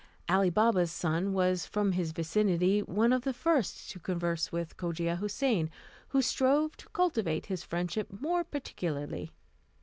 Ali Baba's son was, from his vicinity, one of the first to converse with Cogia Houssain, who strove to cultivate his friendship more particularly.